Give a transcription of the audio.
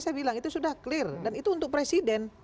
saya bilang itu sudah clear dan itu untuk presiden